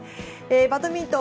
バドミントン